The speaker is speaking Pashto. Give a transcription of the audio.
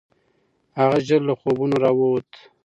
هغه ژر له خوبونو راووت.